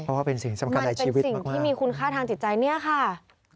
เพราะว่าเป็นสิ่งสำคัญในชีวิตสิ่งที่มีคุณค่าทางจิตใจเนี่ยค่ะ